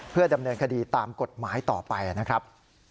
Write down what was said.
เพื่อดำเนินคดีตามกฎหมายต่อไปนะครับ